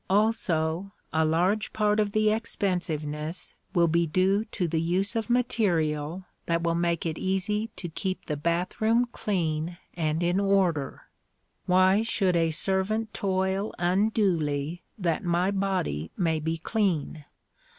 Also, a large part of the expensiveness will be due to the use of material that will make it easy to keep the bathroom clean and in order. Why should a servant toil unduly that my body may be clean?